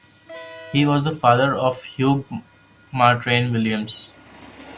He was the father of Hugh Martyn Williams.